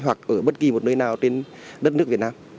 hoặc ở bất kỳ một nơi nào trên đất nước việt nam